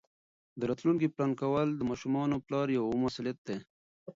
د راتلونکي پلان کول د ماشومانو د پلار یوه مسؤلیت ده.